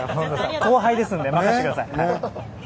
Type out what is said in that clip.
後輩ですので任せてください。